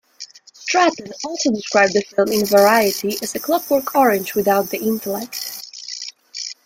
Stratton also described the film in "Variety" as "A Clockwork Orange" without the intellect".